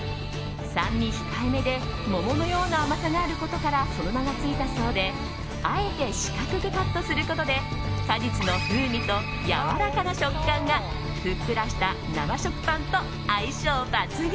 酸味控えめで桃のような甘さがあることからその名がついたそうであえて四角くカットすることで果実の風味とやわらかな食感がふっくらした生食パンと相性抜群。